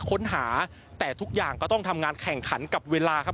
ค้นหาแต่ทุกอย่างก็ต้องทำงานแข่งขันกับเวลาครับ